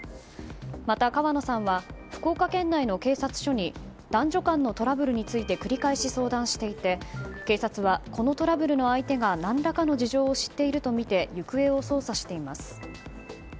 また川野さんは福岡県内の警察署に男女間のトラブルについて繰り返し相談していて警察は、このトラブルの相手が何らかの事情を知っているとみて行方を捜査しています。